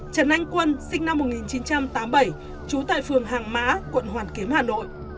trần anh quân sinh năm một nghìn chín trăm tám mươi bảy trú tại phường hàng mã quận hoàn kiếm hà nội